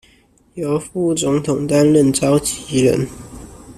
由副總統擔任召集人